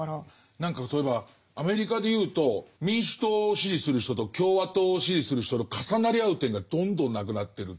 何か例えばアメリカでいうと民主党を支持する人と共和党を支持する人の重なり合う点がどんどんなくなってるって。